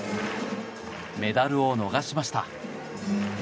メダルを逃しました。